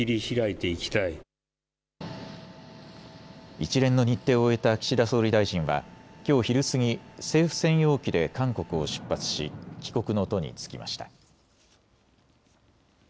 一連の日程を終えた岸田総理大臣はきょう昼過ぎ、政府専用機で韓国を出発し帰国の途に就きました。